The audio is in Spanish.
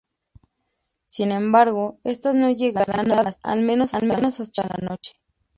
Sin embargo, estas no llegarían a la ciudad al menos hasta la noche.